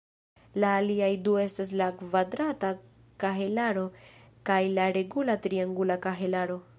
La aliaj du estas la kvadrata kahelaro kaj la regula triangula kahelaro.